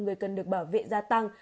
người cần được bảo vệ gia tăng